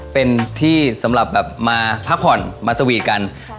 เป็นที่สำหรับแบบมาพักผ่อนมาสวีทกัน